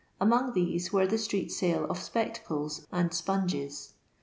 Among these were the street«ile of spectacles and sponges.